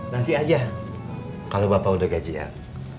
nanti aja kalau bapak udah gajian